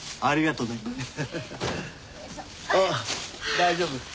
ああ大丈夫？